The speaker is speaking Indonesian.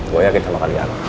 gue yakin sama kalian